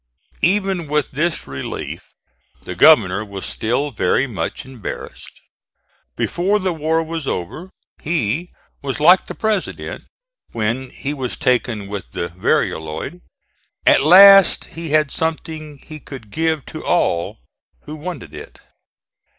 Even with this relief the governor was still very much embarrassed. Before the war was over he was like the President when he was taken with the varioloid: "at last he had something he could give to all who wanted it."